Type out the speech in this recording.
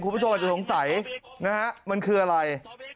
คุณผู้ชมอาจจะสงสัยนะฮะมันคืออะไร